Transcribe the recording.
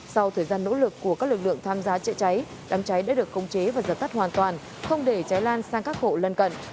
sau thời gian nỗ lực của các lực lượng tham gia chữa cháy đám cháy đã được khống chế và giật tắt hoàn toàn không để cháy lan sang các hộ lân cận